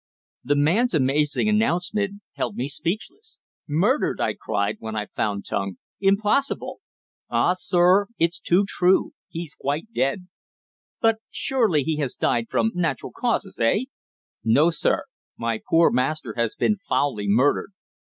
The man's amazing announcement held me speechless. "Murdered!" I cried when I found tongue. "Impossible!" "Ah! sir, it's too true. He's quite dead." "But surely he has died from natural causes eh?" "No, sir. My poor master has been foully murdered."